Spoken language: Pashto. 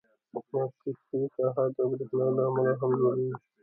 مقناطیسي ساحه د برېښنا له امله هم جوړېږي.